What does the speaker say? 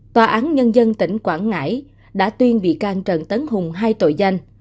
tòa án nhân dân tỉnh quảng ngãi đã tuyên bị can trần tấn hùng hai tội danh